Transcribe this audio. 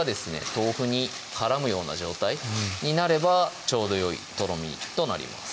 豆腐に絡むような状態になればちょうどよいとろみとなります